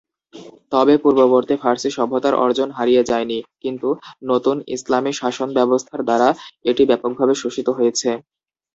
তবে, পূর্ববর্তী ফার্সি সভ্যতার অর্জন হারিয়ে যায়নি, কিন্তু নতুন ইসলামী শাসন ব্যবস্থার দ্বারা এটি ব্যাপকভাবে শোষিত হয়েছে।